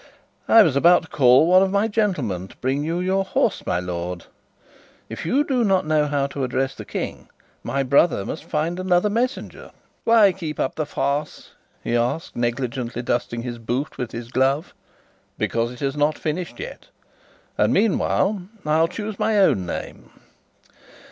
"I was about to call one of my gentlemen to bring your horse, my lord. If you do not know how to address the King, my brother must find another messenger." "Why keep up the farce?" he asked, negligently dusting his boot with his glove. "Because it is not finished yet; and meanwhile I'll choose my own name."